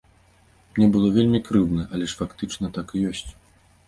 Мне было вельмі крыўдна, але ж фактычна так і ёсць!